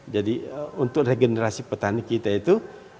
jadi untuk regenerasi petani kita itu